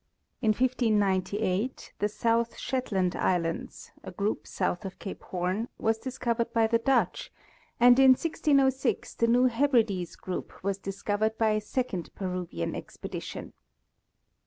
In 1598 the South Shetland islands, a group south of cape Horn, was discovered by the Dutch, and in 1606 the New Hebrides group was discovered by a second Peruvian expedition.